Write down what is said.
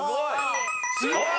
すごい！